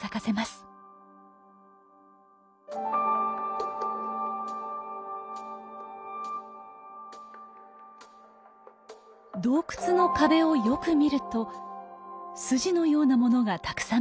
洞窟の壁をよく見ると筋のようなものがたくさん見えます。